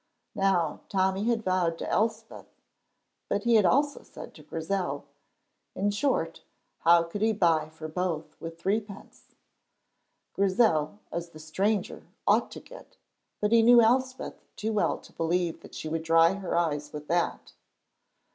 Now, Tommy had vowed to Elspeth But he had also said to Grizel In short, how could he buy for both with threepence? Grizel, as the stranger, ought to get But he knew Elspeth too well to believe that she would dry her eyes with that.